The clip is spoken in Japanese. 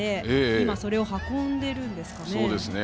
今、それを運んでるんですかね。